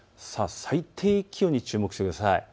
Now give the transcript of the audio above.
最低気温に注目してください。